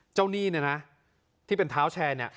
เจ้าหนี้นะที่เป็นเท้าแชร์นี่